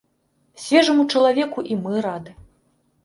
Свежаму чалавеку і мы рады.